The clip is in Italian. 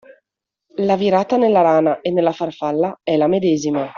La virata nella rana e nella farfalla è la medesima